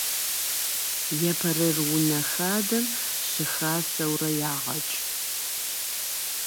Епэрыр унэ хадэм щыхасэурэ ягъэкӏ.